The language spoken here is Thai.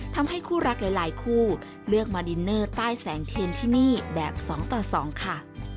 ทำให้คู่รักหลายคู่เลือกมาดินเนอร์ใต้แสงเทียนที่นี่แบบ๒ต่อ๒ค่ะ